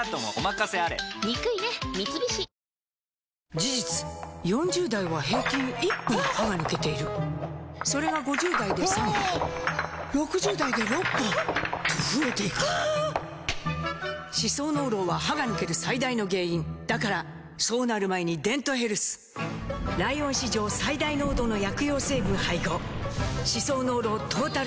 事実４０代は平均１本歯が抜けているそれが５０代で３本６０代で６本と増えていく歯槽膿漏は歯が抜ける最大の原因だからそうなる前に「デントヘルス」ライオン史上最大濃度の薬用成分配合歯槽膿漏トータルケア！